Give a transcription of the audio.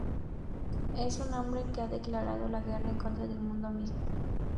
Es un hombre que ha declarado la guerra en contra del mundo mismo.